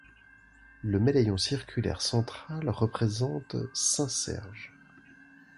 Le médaillon circulaire central représente Saint Serge.